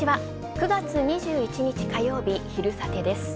９月２１日火曜日、「昼サテ」です。